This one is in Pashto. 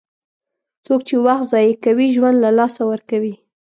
څوک چې وخت ضایع کوي، ژوند له لاسه ورکوي.